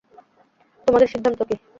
তোমাদের সিদ্ধান্ত কি?